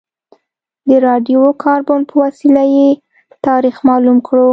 د راډیو کاربن په وسیله یې تاریخ معلوم کړو.